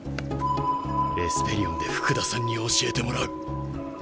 エスペリオンで福田さんに教えてもらう。